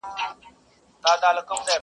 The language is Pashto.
يو په بل يې ښخول تېره غاښونه٫